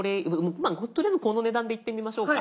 とりあえずこの値段でいってみましょうか。